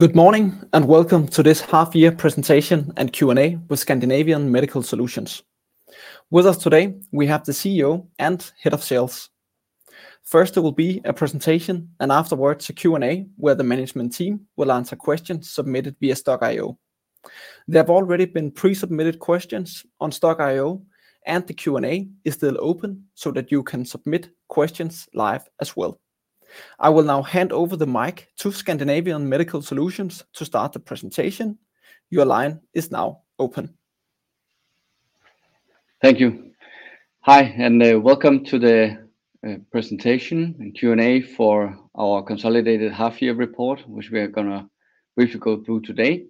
Good morning, and welcome to this half-year presentation and Q&A with Scandinavian Medical Solutions. With us today, we have the CEO and Head of Sales. First, there will be a presentation, and afterwards, a Q&A, where the management team will answer questions submitted via Stokk.io. There have already been pre-submitted questions on Stokk.io, and the Q&A is still open so that you can submit questions live as well. I will now hand over the mic to Scandinavian Medical Solutions to start the presentation. Your line is now open. Thank you. Hi, and welcome to the presentation and Q&A for our consolidated half-year report, which we are gonna briefly go through today.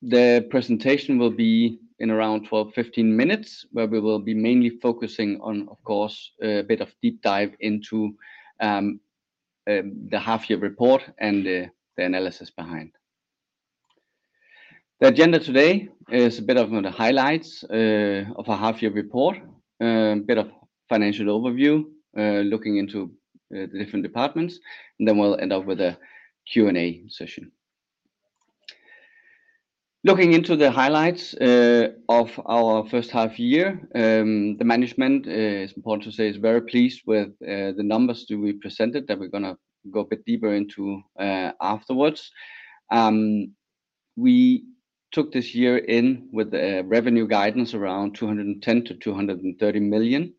The presentation will be in around 12-15 minutes, where we will be mainly focusing on, of course, a bit of deep dive into the half-year report and the analysis behind. The agenda today is a bit of the highlights of a half-year report, a bit of financial overview, looking into the different departments, and then we'll end up with a Q&A session. Looking into the highlights of our first half year, the management, it's important to say, is very pleased with the numbers that we presented, that we're gonna go a bit deeper into afterwards. We took this year in with a revenue guidance around 210 million-230 million,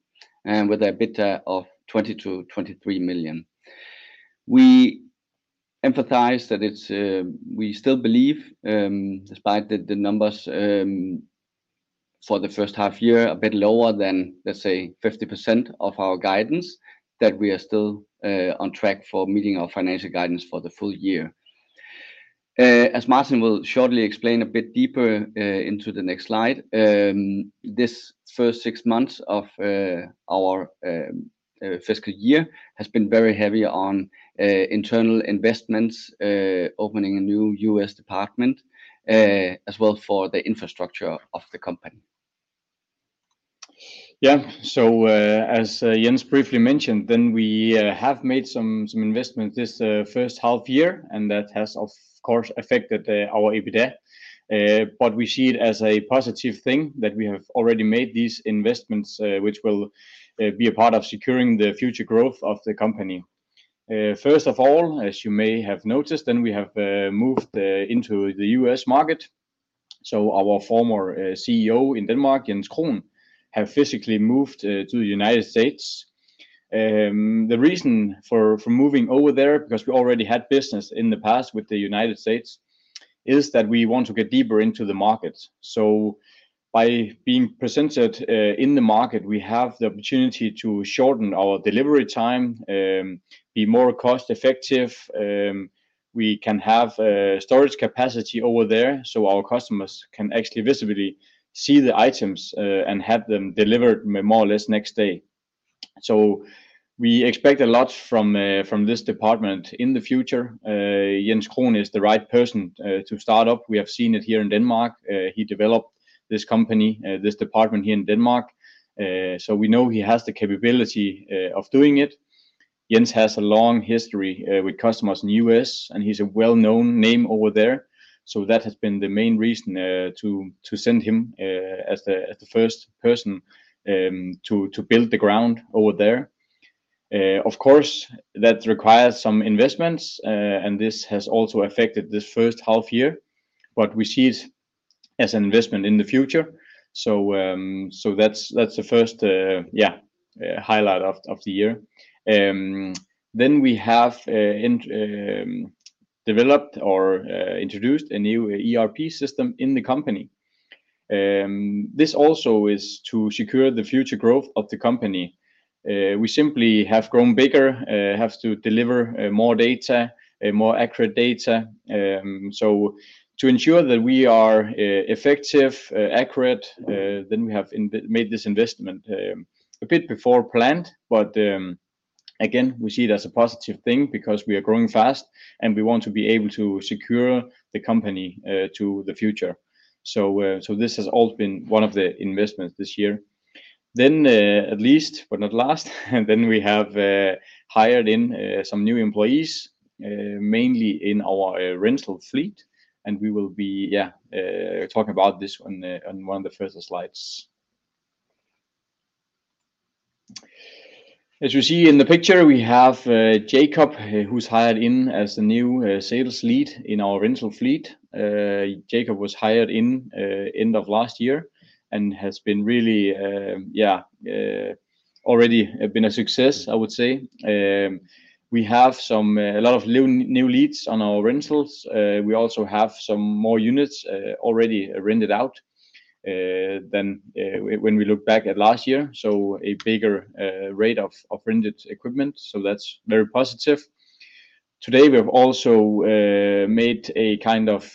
and with a EBITDA of 20 million-23 million. We emphasize that it's, we still believe, despite the numbers for the first half year, a bit lower than, let's say, 50% of our guidance, that we are still on track for meeting our financial guidance for the full year. As Martin will shortly explain a bit deeper into the next slide, this first 6 months of our fiscal year has been very heavy on internal investments, opening a new U.S. department, as well for the infrastructure of the company. Yeah. So, as Jens briefly mentioned, then we have made some investments this first half year, and that has, of course, affected our EBITDA. But we see it as a positive thing that we have already made these investments, which will be a part of securing the future growth of the company. First of all, as you may have noticed, then we have moved into the U.S. market, so our former CEO in Denmark, Jens Krohn, have physically moved to the United States. The reason for moving over there, because we already had business in the past with the United States, is that we want to get deeper into the market. So by being presented in the market, we have the opportunity to shorten our delivery time, be more cost-effective, we can have a storage capacity over there so our customers can actually visibly see the items, and have them delivered more or less next day. So we expect a lot from this department in the future. Jens Krohn is the right person to start up. We have seen it here in Denmark. He developed this company, this department here in Denmark, so we know he has the capability of doing it. Jens has a long history with customers in the U.S., and he's a well-known name over there, so that has been the main reason to send him as the first person to build the ground over there. Of course, that requires some investments, and this has also affected this first half year, but we see it as an investment in the future. So, that's the first highlight of the year. Then we have developed or introduced a new ERP system in the company. This also is to secure the future growth of the company. We simply have grown bigger, have to deliver more data, more accurate data. So to ensure that we are effective, accurate, then we have made this investment a bit before planned, but again, we see it as a positive thing because we are growing fast, and we want to be able to secure the company to the future. So this has all been one of the investments this year. Then, last but not least, and then we have hired in some new employees, mainly in our rental fleet, and we will be talking about this on one of the first slides. As you see in the picture, we have Jakob, who's hired in as the new sales lead in our rental fleet. Jakob was hired in end of last year and has been really already been a success, I would say. We have some a lot of new leads on our rentals. We also have some more units already rented out than when we look back at last year, so a bigger rate of rented equipment, so that's very positive. Today, we have also made a kind of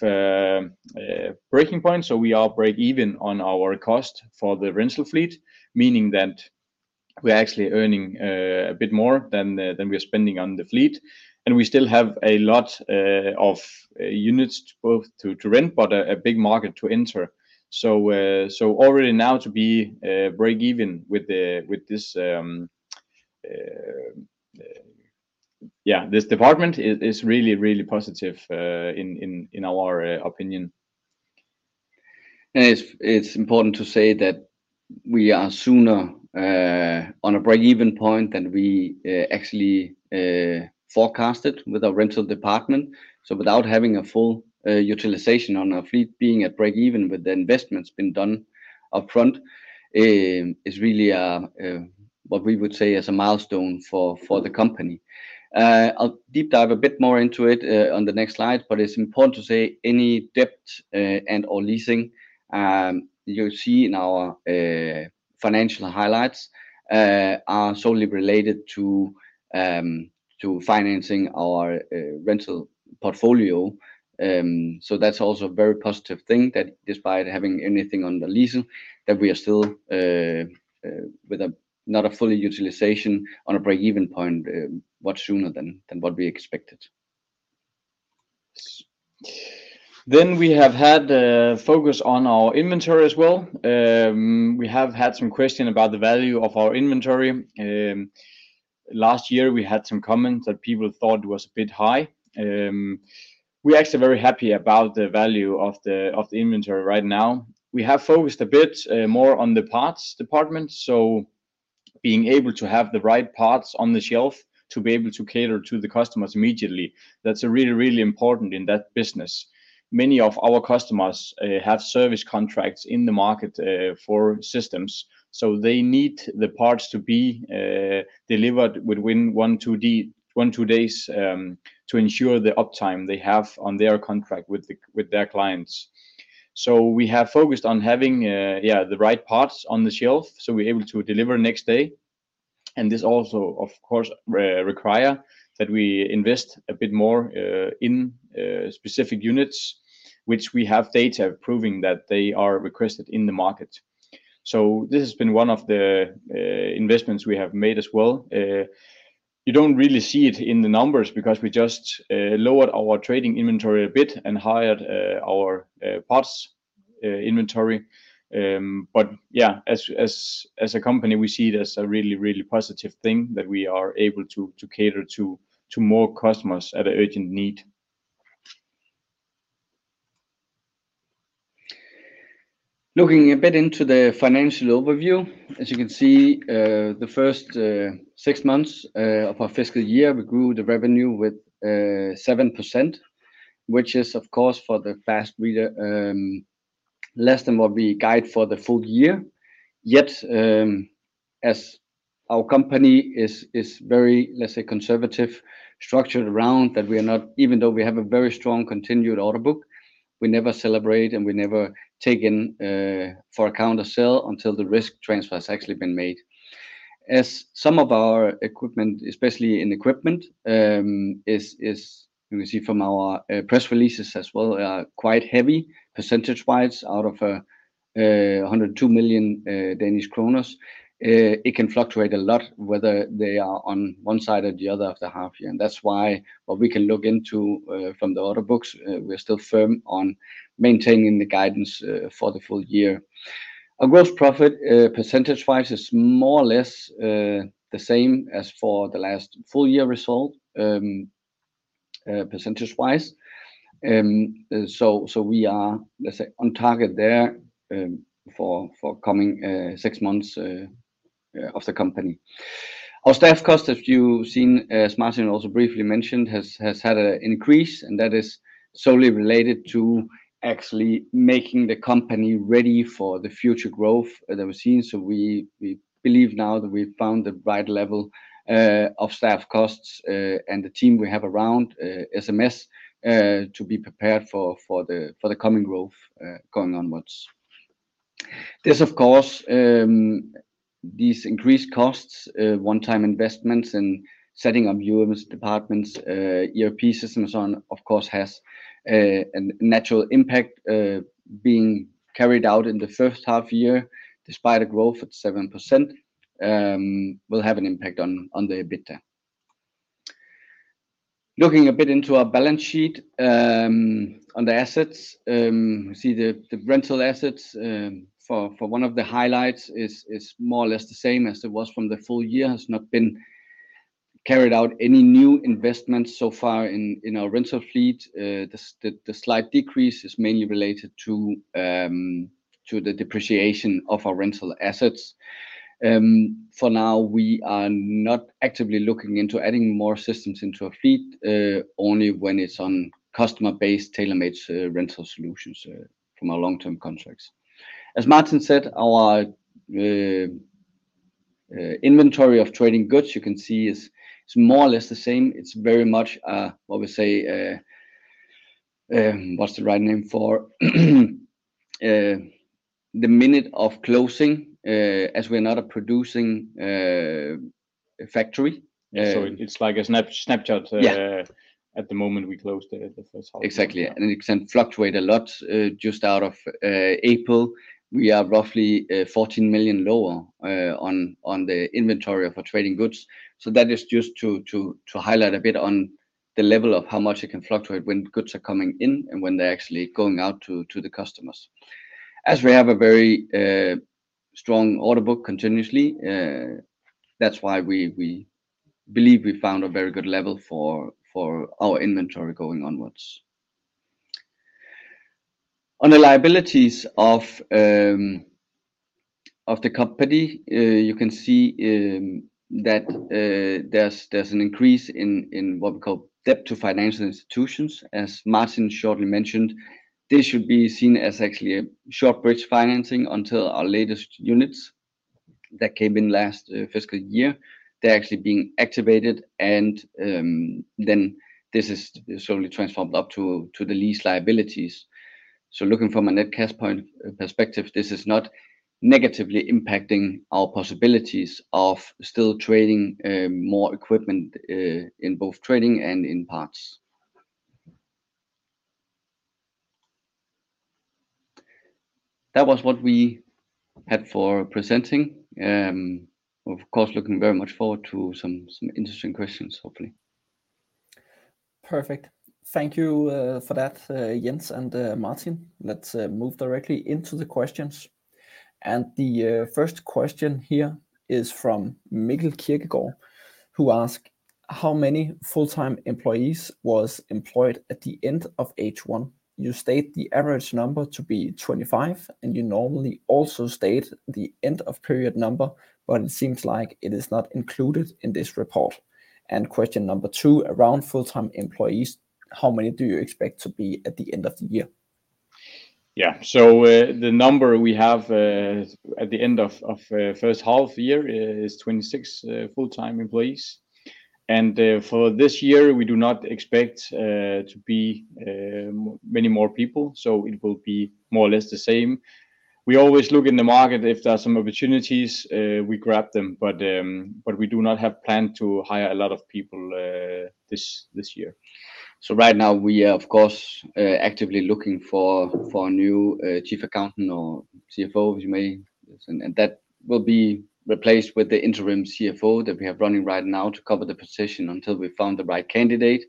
breaking point, so we are break even on our cost for the rental fleet, meaning that we're actually earning a bit more than we are spending on the fleet, and we still have a lot of units both to rent, but a big market to enter. So, already now to be break even with this department is really, really positive in our opinion. It's important to say that we are sooner on a breakeven point than we actually forecasted with our rental department. So without having a full utilization on our fleet, being at breakeven with the investments being done upfront, is really a what we would say is a milestone for the company. I'll deep dive a bit more into it on the next slide, but it's important to say any debt and/or leasing you'll see in our financial highlights are solely related to financing our rental portfolio. So that's also a very positive thing, that despite having anything on the leasing, that we are still with a not a fully utilization on a breakeven point much sooner than what we expected. Then we have had a focus on our inventory as well. We have had some question about the value of our inventory. Last year we had some comments that people thought it was a bit high. We're actually very happy about the value of the inventory right now. We have focused a bit more on the parts department, so being able to have the right parts on the shelf to be able to cater to the customers immediately, that's really, really important in that business. Many of our customers have service contracts in the market for systems, so they need the parts to be delivered within one, two days to ensure the uptime they have on their contract with their clients. So we have focused on having the right parts on the shelf, so we're able to deliver next day. And this also, of course, requires that we invest a bit more in specific units, which we have data proving that they are requested in the market. So this has been one of the investments we have made as well. You don't really see it in the numbers because we just lowered our trading inventory a bit and higher our parts inventory. But as a company, we see it as a really, really positive thing that we are able to cater to more customers at an urgent need. Looking a bit into the financial overview, as you can see, the first six months of our fiscal year, we grew the revenue with 7%, which is, of course, for the fast reader, less than what we guide for the full year. Yet, as our company is very, let's say, conservative, structured around that we are not, even though we have a very strong continued order book, we never celebrate, and we never take in for account a sale until the risk transfer has actually been made. As some of our equipment, especially in equipment, is you can see from our press releases as well, are quite heavy, percentage-wise, out of 102 million Danish kroner. It can fluctuate a lot whether they are on one side or the other of the half year. And that's why what we can look into from the order books, we're still firm on maintaining the guidance for the full year. Our gross profit percentage-wise is more or less the same as for the last full year result percentage-wise. So we are, let's say, on target there for the coming six months of the company. Our staff cost, as you've seen, as Martin also briefly mentioned, has had an increase, and that is solely related to actually making the company ready for the future growth that we've seen. So we believe now that we've found the right level of staff costs, and the team we have around SMS to be prepared for the coming growth going onwards. This, of course, these increased costs, one-time investments and setting up new departments, ERP systems and so on, of course, has a natural impact being carried out in the first half year, despite a growth at 7%, will have an impact on the EBITDA. Looking a bit into our balance sheet, on the assets, we see the rental assets, for one of the highlights is more or less the same as it was from the full year. Has not been carried out any new investments so far in our rental fleet. The slight decrease is mainly related to the depreciation of our rental assets. For now, we are not actively looking into adding more systems into our fleet, only when it's on customer-based, tailor-made rental solutions from our long-term contracts. As Martin said, our inventory of trading goods, you can see, is more or less the same. It's very much what we say, what's the right name for? The minute of closing, as we are not a producing factory. Yeah, so it's like a snapshot. Yeah. At the moment we closed the first half. Exactly. And it can fluctuate a lot. Just out of April, we are roughly 14 million lower on the inventory for trading goods. So that is just to highlight a bit on the level of how much it can fluctuate when goods are coming in and when they're actually going out to the customers... as we have a very strong order book continuously, that's why we believe we found a very good level for our inventory going onwards. On the liabilities of the company, you can see that there's an increase in what we call debt to financial institutions, as Martin shortly mentioned. This should be seen as actually a short bridge financing until our latest units that came in last fiscal year. They're actually being activated and, then this is slowly transformed up to, to the lease liabilities. So looking from a net cash point perspective, this is not negatively impacting our possibilities of still trading, more equipment, in both trading and in parts. That was what we had for presenting. Of course, looking very much forward to some, some interesting questions, hopefully. Perfect. Thank you for that, Jens and Martin. Let's move directly into the questions. The first question here is from Mikkel Kierkegaard, who asked: how many full-time employees was employed at the end of H1? You state the average number to be 25, and you normally also state the end-of-period number, but it seems like it is not included in this report. And question number two, around full-time employees, how many do you expect to be at the end of the year? Yeah. So, the number we have at the end of first half year is 26 full-time employees. And, for this year, we do not expect to be many more people, so it will be more or less the same. We always look in the market. If there are some opportunities, we grab them, but, but we do not have plan to hire a lot of people, this year. So right now we are, of course, actively looking for a new chief accountant or CFO, if you may. And that will be replaced with the interim CFO that we have running right now to cover the position until we found the right candidate.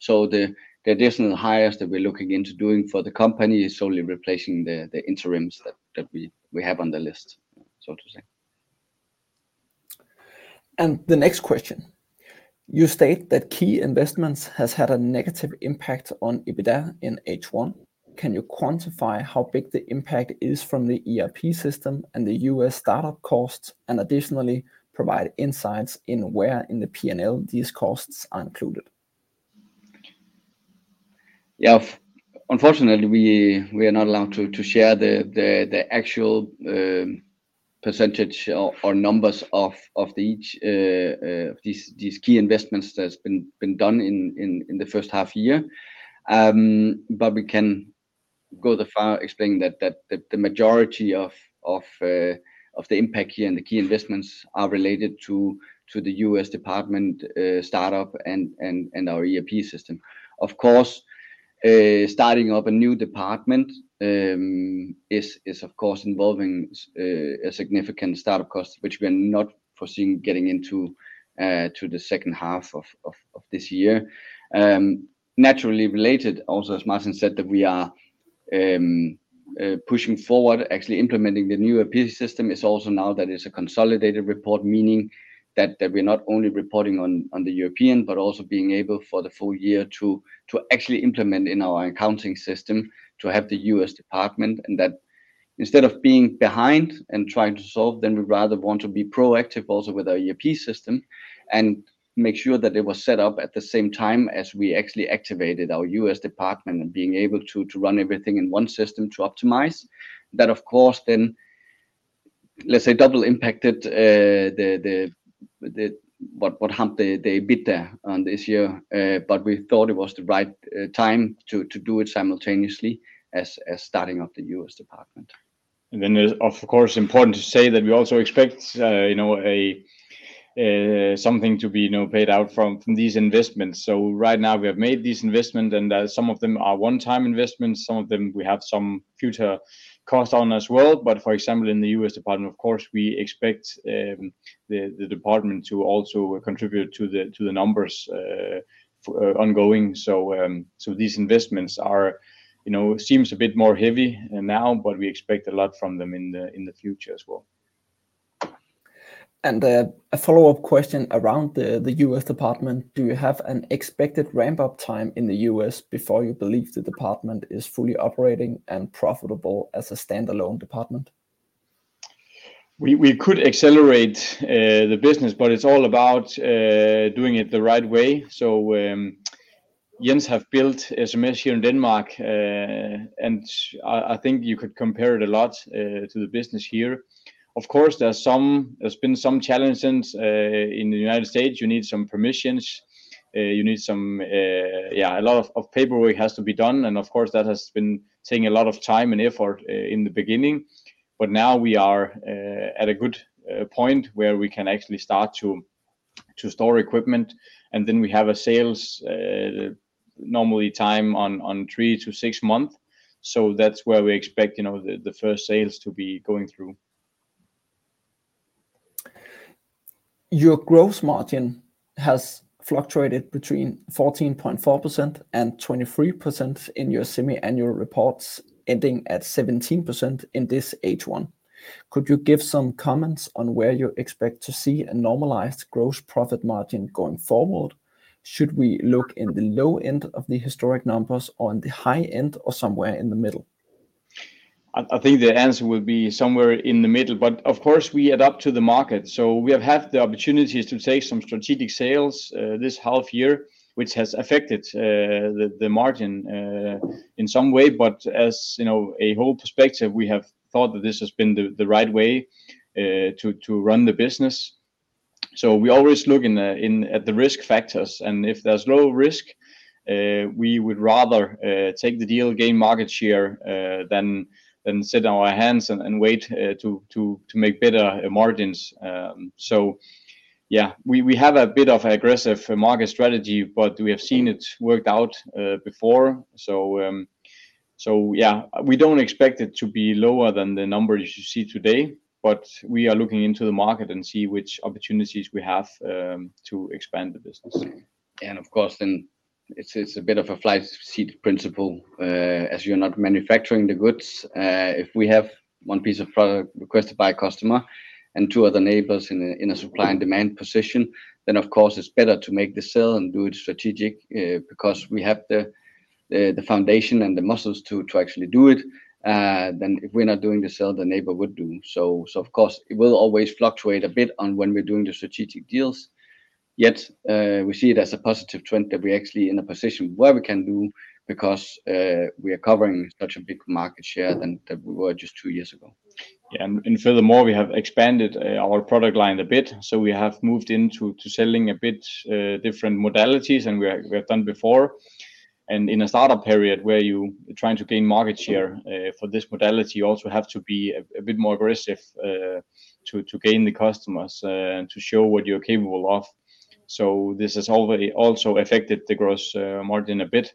So the additional hires that we're looking into doing for the company is solely replacing the interims that we have on the list, so to say. The next question: You state that key investments has had a negative impact on EBITDA in H1. Can you quantify how big the impact is from the ERP system and the U.S. startup costs, and additionally provide insights in where in the P&L these costs are included? Yeah. Unfortunately, we are not allowed to share the actual percentage or numbers of each of these key investments that's been done in the first half year. But we can go as far as explaining that the majority of the impact here and the key investments are related to the U.S. department startup and our ERP system. Of course, starting up a new department is of course involving a significant startup cost, which we are not foreseeing getting into the second half of this year. Naturally related also, as Martin said, that we are pushing forward, actually implementing the new ERP system is also now that is a consolidated report, meaning that we're not only reporting on the European, but also being able for the full year to actually implement in our accounting system, to have the U.S. department, and that instead of being behind and trying to solve, then we'd rather want to be proactive also with our ERP system and make sure that it was set up at the same time as we actually activated our U.S. department and being able to run everything in one system to optimize. That, of course, then, let's say, double impacted the EBITDA on this year. But we thought it was the right time to do it simultaneously as starting up the U.S. department. And then it is, of course, important to say that we also expect, you know, a something to be, you know, paid out from, from these investments. So right now we have made these investment, and, some of them are one-time investments, some of them we have some future cost on as well. But for example, in the U.S. department, of course, we expect, the, the department to also contribute to the, to the numbers, for ongoing. So, so these investments are, you know, seems a bit more heavy now, but we expect a lot from them in the, in the future as well. A follow-up question around the U.S. department: Do you have an expected ramp-up time in the U.S. before you believe the department is fully operating and profitable as a standalone department? We could accelerate the business, but it's all about doing it the right way. So, Jens have built SMS here in Denmark, and I think you could compare it a lot to the business here. Of course, there's been some challenges in the United States. You need some permissions, you need some... yeah, a lot of paperwork has to be done, and of course, that has been taking a lot of time and effort in the beginning, but now we are at a good point where we can actually start to store equipment, and then we have a sales normally time on 3-6 months. So that's where we expect, you know, the first sales to be going through. Your gross margin has fluctuated between 14.4% and 23% in your semi-annual reports, ending at 17% in this H1. Could you give some comments on where you expect to see a normalized gross profit margin going forward? Should we look in the low end of the historic numbers, or on the high end, or somewhere in the middle? I think the answer will be somewhere in the middle, but of course, we adapt to the market. So we have had the opportunities to take some strategic sales this half year, which has affected the margin in some way. But as you know, a whole perspective, we have thought that this has been the right way to run the business. So we always look at the risk factors, and if there's low risk, we would rather take the deal, gain market share, than sit on our hands and wait to make better margins. So yeah, we have a bit of aggressive market strategy, but we have seen it worked out before. Yeah, we don't expect it to be lower than the numbers you see today, but we are looking into the market and see which opportunities we have to expand the business. Of course, then it's a bit of a flight seat principle, as you're not manufacturing the goods. If we have one piece of product requested by a customer and two other neighbors in a supply and demand position, then of course, it's better to make the sale and do it strategic, because we have the foundation and the muscles to actually do it. Then if we're not doing the sale, the neighbor would do. So, of course, it will always fluctuate a bit on when we're doing the strategic deals. Yet, we see it as a positive trend that we're actually in a position where we can do because we are covering such a big market share than we were just two years ago. Yeah, and furthermore, we have expanded our product line a bit, so we have moved into selling a bit different modalities than we have done before. And in a startup period where you are trying to gain market share for this modality, you also have to be a bit more aggressive to gain the customers and to show what you're capable of. So this has already also affected the gross margin a bit.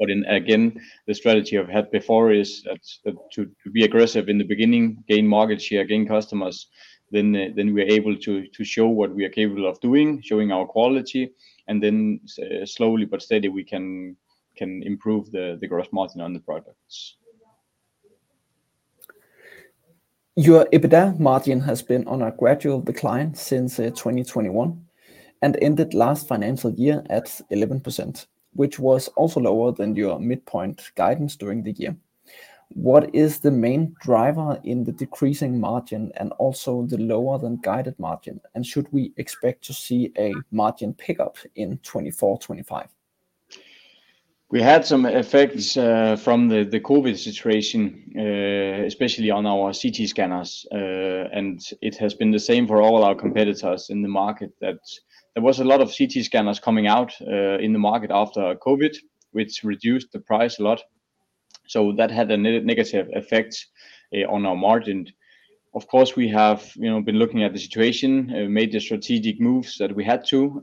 But then again, the strategy I've had before is that to be aggressive in the beginning, gain market share, gain customers, then we're able to show what we are capable of doing, showing our quality, and then slowly but steady, we can improve the gross margin on the products. Your EBITDA margin has been on a gradual decline since 2021, and ended last financial year at 11%, which was also lower than your midpoint guidance during the year. What is the main driver in the decreasing margin and also the lower-than-guided margin? And should we expect to see a margin pickup in 2024, 2025? We had some effects from the COVID situation, especially on our CT scanners, and it has been the same for all our competitors in the market, that there was a lot of CT scanners coming out in the market after COVID, which reduced the price a lot, so that had a negative effect on our margin. Of course, we have, you know, been looking at the situation, made the strategic moves that we had to,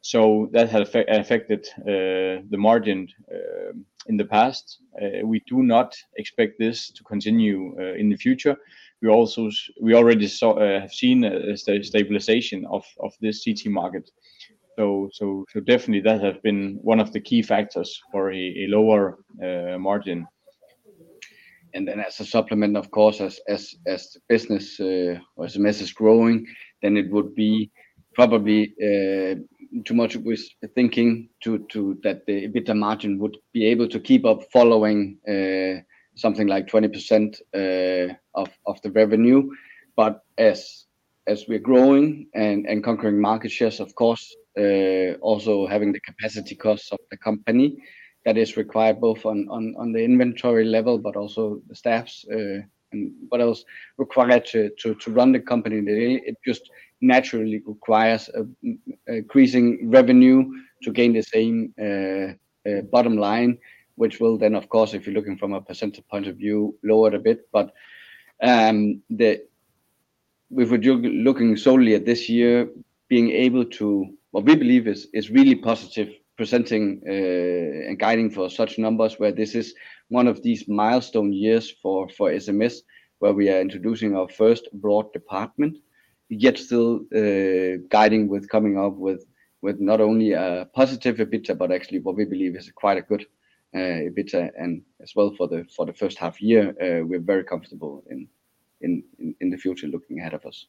so that had affected the margin in the past. We do not expect this to continue in the future. We also we already saw have seen a stabilization of this CT market. So definitely that has been one of the key factors for a lower margin. And then as a supplement, of course, as the business is growing, then it would be probably too much to think that the EBITDA margin would be able to keep up following something like 20% of the revenue. But as we're growing and conquering market shares, of course, also having the capacity costs of the company that is required both on the inventory level, but also the staff, and what else required to run the company today, it just naturally requires an increasing revenue to gain the same bottom line, which will then, of course, if you're looking from a percentage point of view, lower it a bit. But, if we're looking solely at this year, being able to, what we believe is, is really positive, presenting, and guiding for such numbers, where this is one of these milestone years for, for SMS, where we are introducing our first broad department, yet still, guiding with coming up with, with not only a positive EBITDA, but actually what we believe is quite a good, EBITDA, and as well for the, for the first half year, we're very comfortable in, in, in the future looking ahead of us.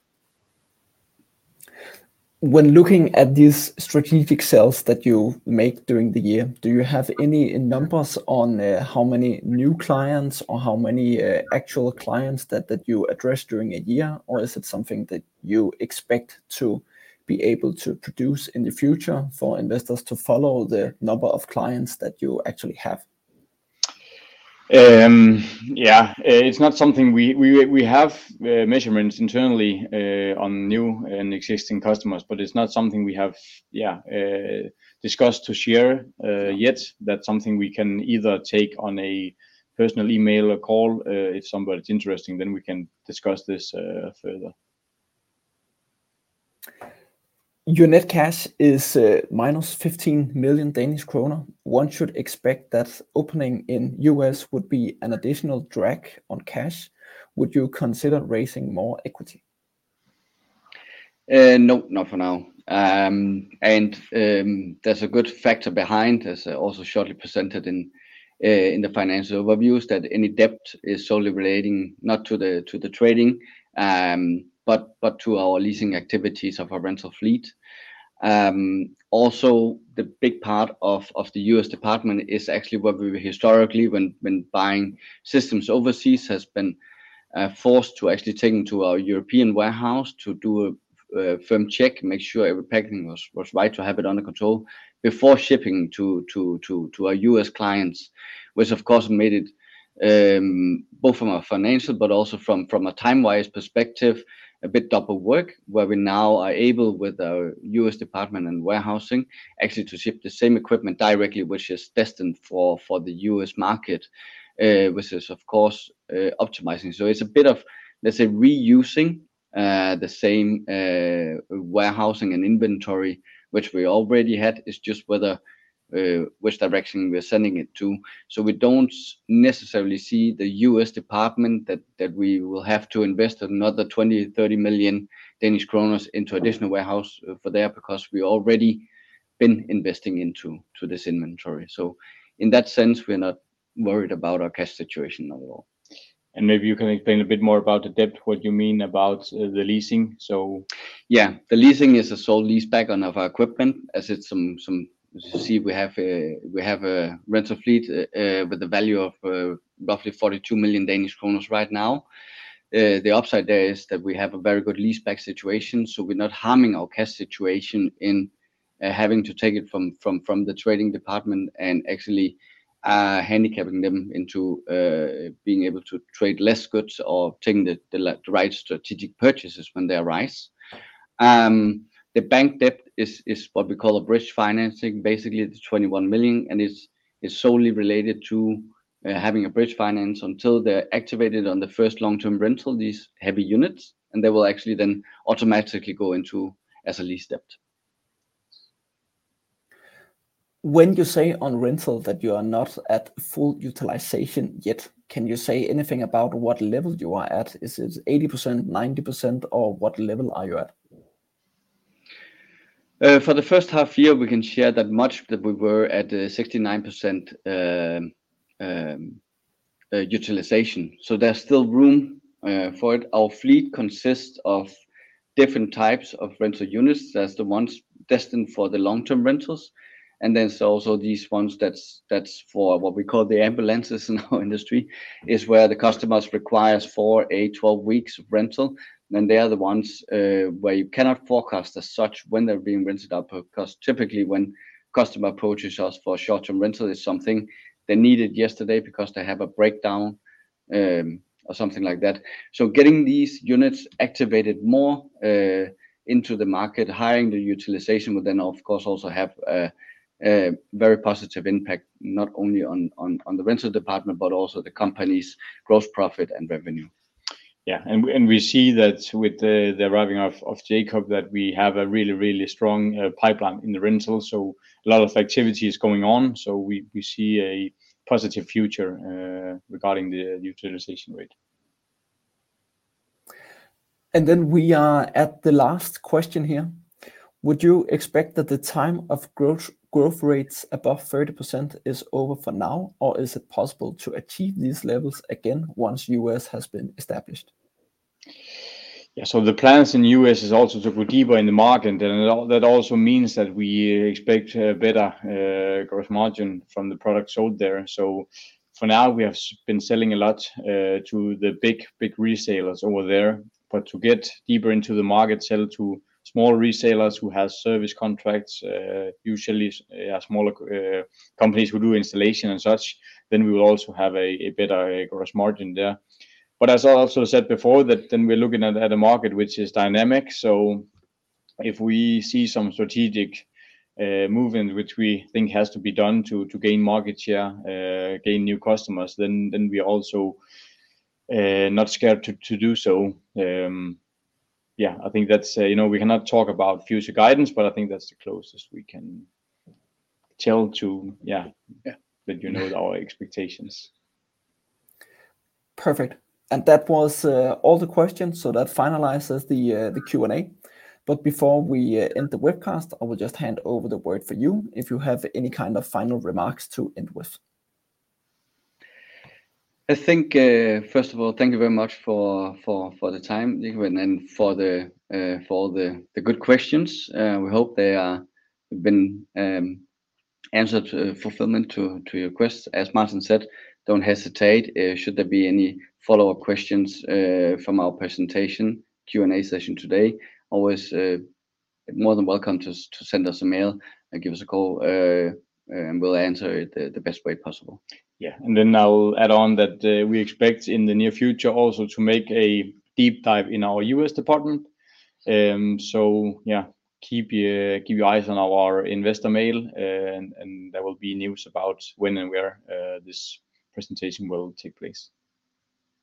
When looking at these strategic sales that you make during the year, do you have any numbers on, how many new clients or how many, actual clients that you address during a year? Or is it something that you expect to be able to produce in the future for investors to follow the number of clients that you actually have? Yeah, it's not something we have measurements internally on new and existing customers, but it's not something we have discussed to share yet. That's something we can either take on a personal email or call. If somebody's interested, then we can discuss this further. Your net cash is -15 million Danish kroner. One should expect that opening in U.S. would be an additional drag on cash. Would you consider raising more equity? No, not for now. There's a good factor behind, as also shortly presented in the financial overview, is that any debt is solely relating not to the trading but to our leasing activities of our rental fleet. Also, the big part of the U.S. department is actually what we were historically when buying systems overseas has been forced to actually take them to our European warehouse to do a firm check, make sure every packaging was right, to have it under control before shipping to our U.S. clients, which of course made it both from a financial but also from a time-wise perspective, a bit double work. Where we now are able, with our U.S. department and warehousing, actually to ship the same equipment directly, which is destined for the U.S. market, which is of course optimizing. So it's a bit of, let's say, reusing the same warehousing and inventory, which we already had. It's just whether which direction we are sending it to. So we don't necessarily see the U.S. department that we will have to invest another 20-30 million Danish kroner into additional warehouse for there, because we already been investing into this inventory. So in that sense, we're not worried about our cash situation at all. Maybe you can explain a bit more about the debt, what you mean about the leasing, so? Yeah, the leasing is a sale leaseback on one of our equipment, as it's some. You see, we have a rental fleet with a value of roughly 42 million Danish kroner right now. The upside there is that we have a very good leaseback situation, so we're not harming our cash situation in having to take it from the trading department and actually handicapping them into being able to trade less goods or taking the right strategic purchases when they arise. The bank debt is what we call a bridge financing. Basically, it's 21 million, and it's solely related to having a bridge finance until they're activated on the first long-term rental, these heavy units, and they will actually then automatically go into as a lease debt. When you say on rental that you are not at full utilization yet, can you say anything about what level you are at? Is it 80%, 90%, or what level are you at? For the first half year, we can share that much, that we were at a 69% utilization, so there's still room for it. Our fleet consists of different types of rental units. There's the ones destined for the long-term rentals, and there's also these ones that's, that's for what we call the ambulances in our industry, is where the customers requires 4, 8, 12 weeks of rental. Then they are the ones, where you cannot forecast as such when they're being rented out, because typically when customer approaches us for short-term rental, it's something they needed yesterday because they have a breakdown, or something like that. Getting these units activated more into the market, higher the utilization, would then, of course, also have a very positive impact, not only on the rental department, but also the company's growth, profit, and revenue. Yeah, we see that with the arriving of Jakob that we have a really, really strong pipeline in the rental, so a lot of activity is going on. So we see a positive future regarding the utilization rate. We are at the last question here: Would you expect that the time of growth, growth rates above 30% is over for now, or is it possible to achieve these levels again once U.S. has been established? Yeah, so the plans in the U.S. is also to go deeper in the market, and that, that also means that we expect a better, gross margin from the products sold there. So for now, we have been selling a lot, to the big, big resellers over there, but to get deeper into the market, sell to small resellers who have service contracts, usually, smaller, companies who do installation and such, then we will also have a, a better gross margin there. But as I also said before, that then we're looking at, at a market which is dynamic, so if we see some strategic, movement, which we think has to be done to, to gain market share, gain new customers, then, then we are also, not scared to, to do so. Yeah, I think that's... You know, we cannot talk about future guidance, but I think that's the closest we can tell to, yeah- Yeah.... that you know our expectations. Perfect. And that was all the questions, so that finalizes the Q&A. But before we end the webcast, I will just hand over the word for you, if you have any kind of final remarks to end with. I think, first of all, thank you very much for the time, Nikolaj, and for the good questions. We hope they are been answered to fulfillment to your request. As Martin said, don't hesitate, should there be any follow-up questions from our presentation, Q&A session today, always more than welcome to send us an email and give us a call, and we'll answer it the best way possible. Yeah, and then I'll add on that, we expect in the near future also to make a deep dive in our U.S. department. So yeah, keep your eyes on our investor mail, and there will be news about when and where this presentation will take place.